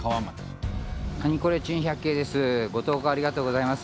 『ナニコレ珍百景』です。